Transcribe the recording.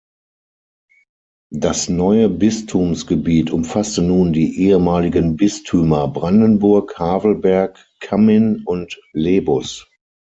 Das neue Bistumsgebiet umfasste nun die ehemaligen Bistümer Brandenburg, Havelberg, Kammin und Lebus.